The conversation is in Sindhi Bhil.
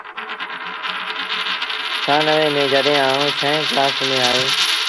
ڇآنوي ميݩ جڏهيݩ آئوٚݩ ڇوهيݩ ڪلآس ميݩ آيو ۔